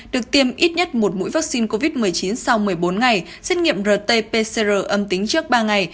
được tiêm ít nhất một mũi vaccine covid một mươi chín sau một mươi bốn ngày xét nghiệm rt pcr âm tính trước ba ngày